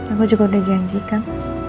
aku juga udah janjikan